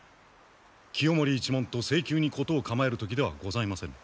清盛一門と性急に事を構える時ではございません。